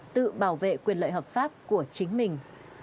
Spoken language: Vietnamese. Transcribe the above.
tự bảo vệ quyền lợi hợp pháp của chính mình